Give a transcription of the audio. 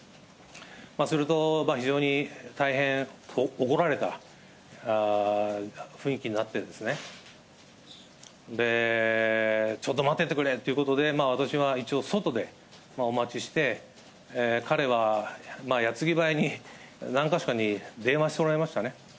すると非常に大変怒られた雰囲気になってですね、ちょっと待っててくれっていうことで、私は一応、外でお待ちして、彼は矢継ぎ早に何か所かに電話しておられましたね。